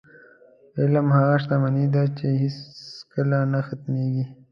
علم هغه شتمني ده، چې هېڅکله نه ختمېږي.